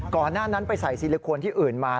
ก่อนหน้านั้นไปใส่ซิลิโคนที่อื่นมา